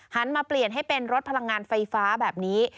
มาเปลี่ยนให้เป็นรถพลังงานไฟฟ้าแบบนี้